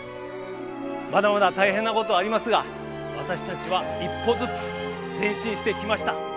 まだまだ大変なことがありますが私たちは一歩ずつ前進してきました。